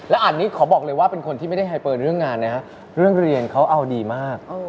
อันนี้ขอบอกเลยว่าเป็นคนที่ไม่ได้ไฮเปอร์เรื่องงานนะฮะเรื่องเรียนเขาเอาดีมาก